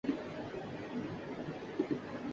اَیسا میں ملالہ ظہور پزیر